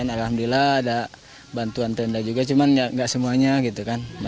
alhamdulillah ada bantuan tenda juga cuman nggak semuanya gitu kan